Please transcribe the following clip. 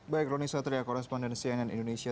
baik roni satria korrespondensi an indonesia